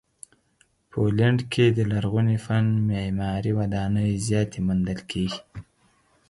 پولنډ کې د لرغوني فن معماري ودانۍ زیاتې موندل کیږي.